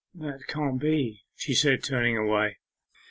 'That can't be,' she said, turning away.